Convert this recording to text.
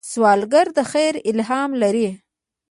سوالګر د خیر الهام لري